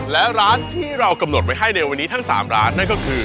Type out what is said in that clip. และร้านที่เรากำหนดไว้ให้ในวันนี้ทั้ง๓ร้านนั่นก็คือ